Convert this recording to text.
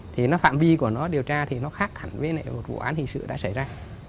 thì nó phạm vi của nó điều tra thì nó khác hẳn với một vụ án hình sự đã xảy ra